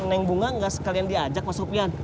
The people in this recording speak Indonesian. neng bunga ga sekalian diajak mas smain